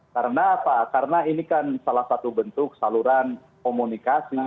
karena apa karena ini kan salah satu bentuk saluran komunikasi